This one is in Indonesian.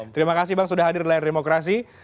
terima kasih bang sudah hadir di layar demokrasi